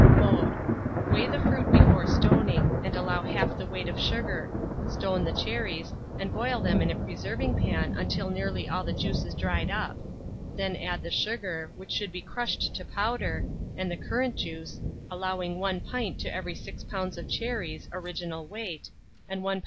Mode. Weigh the fruit before stoning, and allow half the weight of sugar; stone the cherries, and boil them in a preserving pan until nearly all the juice is dried up; then add the sugar, which should be crushed to powder, and the currant juice, allowing 1 pint to every 6 lbs. of cherries (original weight), and 1 lb.